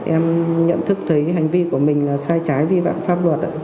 em nhận thức thấy hành vi của mình sai trái vì pháp luật